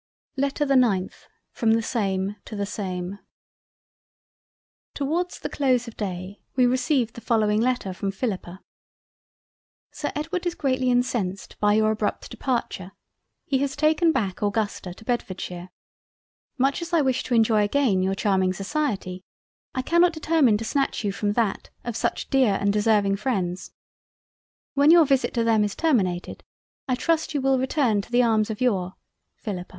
LETTER the 9th From the same to the same Towards the close of the day we received the following Letter from Philippa. "Sir Edward is greatly incensed by your abrupt departure; he has taken back Augusta to Bedfordshire. Much as I wish to enjoy again your charming society, I cannot determine to snatch you from that, of such dear and deserving Freinds—When your Visit to them is terminated, I trust you will return to the arms of your" "Philippa."